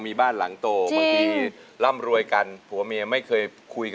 มีบ้านหลังโตบางทีร่ำรวยกัน